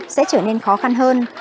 sẽ trở nên khó khăn hơn